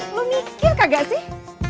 lo mikir kagak sih